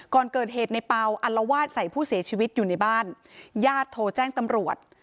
ก่อนเกิดเหตุในเปล่าอัลวาดใส่ผู้เสียชีวิตอยู่ในบ้านญาติโทรแจ้งตำรวจ